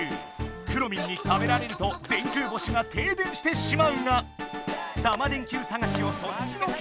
くろミンに食べられると電空星がてい電してしまうがタマ電Ｑさがしをそっちのけ！